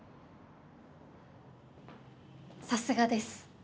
さすがです。